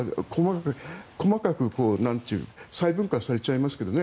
細かく再分割されてしまいますけどね